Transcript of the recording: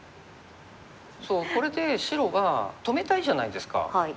これで白が止めたいじゃないですか。